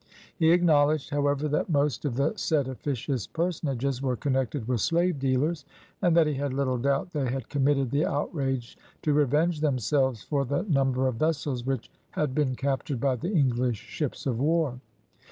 He acknowledged, however, that most of the said officious personages were connected with slave dealers, and that he had little doubt they had committed the outrage to revenge themselves for the number of vessels which had been captured by the English ships of war.